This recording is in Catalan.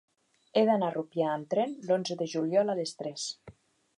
He d'anar a Rupià amb tren l'onze de juliol a les tres.